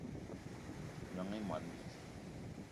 Gnong i moni bidi